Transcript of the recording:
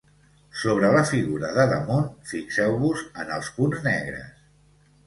Sobre la figura de damunt, fixeu-vos en els punts negres.